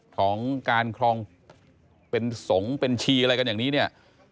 ของการครองเป็นสงฆ์เป็นชีอะไรกันอย่างนี้เนี่ย